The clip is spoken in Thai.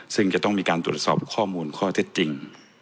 ซึ่งจะต้องมีการตรวจสอบข้อมูลข้อเท็จจริง